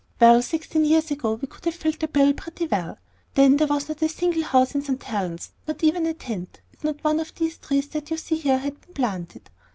Well; sixteen years ago we could have filled the bill pretty well. Then there was not a single house in St. Helen's, not even a tent, and not one of the trees that you see here had been planted.